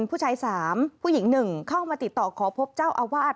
ผู้ชาย๓ผู้หญิง๑เข้ามาติดต่อขอพบเจ้าอาวาส